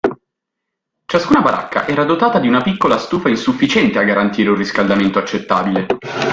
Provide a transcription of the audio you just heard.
Ciascuna baracca era dotata di una piccola stufa insufficiente a garantire un riscaldamento accettabile.